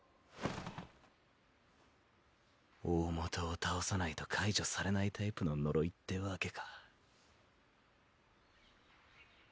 大本を倒さないと解除されないタイプの呪いってわけか。